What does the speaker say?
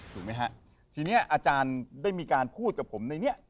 ถูกไหมฮะทีนี้อาจารย์ได้มีการพูดกับผมในนี้